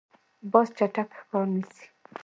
باز چټک ښکار نیسي.